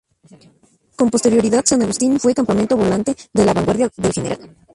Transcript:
Con posterioridad, San Agustín fue campamento volante de la vanguardia del Gral.